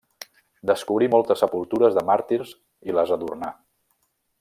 Descobrí moltes sepultures de màrtirs i les adornà.